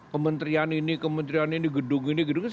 pemerintahan ini pemerintahan ini gedung ini gedung ini